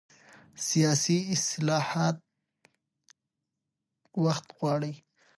سیاسي اصلاحات وخت غواړي